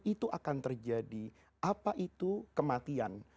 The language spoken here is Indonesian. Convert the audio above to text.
itu akan terjadi apa itu kematian